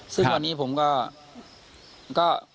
ซึ่งวันนี้ผมก็